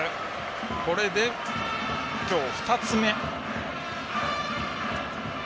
これで、今日２つ目。